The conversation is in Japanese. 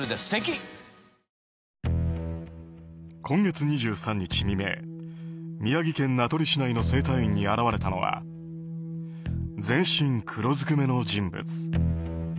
今月２３日未明宮城県名取市内の整体院に現れたのは、全身黒ずくめの人物。